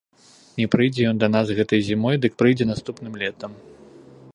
Не прыйдзе ён да нас гэтай зімой, дык прыйдзе наступным летам.